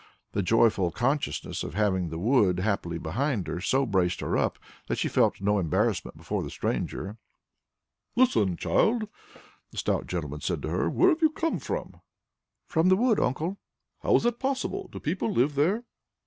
The joyful consciousness of having the wood happily behind her so braced her up, that she felt no embarrassment before the stranger. "Listen, child!" the stout gentleman said to her. "Where have you come from?" "From the wood, Uncle." "How is that possible? Do people live there?"